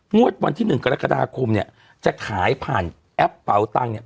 วันที่๑กรกฎาคมเนี่ยจะขายผ่านแอปเป๋าตังค์เนี่ย